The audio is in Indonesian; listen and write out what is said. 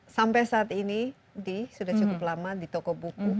sampai saat ini d sudah cukup lama di toko buku